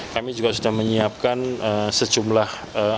kami juga sudah menyiapkan sejumlah